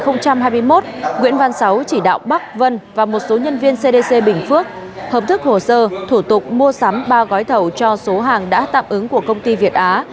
nguyễn văn sáu chỉ đạo bắc vân và một số nhân viên cdc bình phước hợp thức hồ sơ thủ tục mua sắm ba gói thầu cho số hàng đã tạm ứng của công ty việt á